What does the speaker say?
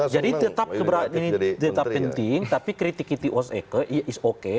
jadi tetap penting tapi kritik itu oke